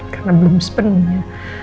karena belum sepenuhnya